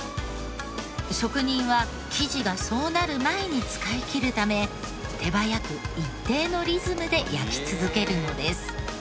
職人は生地がそうなる前に使い切るため手早く一定のリズムで焼き続けるのです。